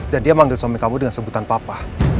dan dia manggil suami kamu dengan sebutan papa